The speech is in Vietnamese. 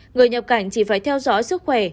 người nhập cảnh chỉ phải theo dõi sức khỏe